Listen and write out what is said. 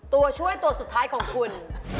ตัวช่วยตัวสุดท้ายของคุณ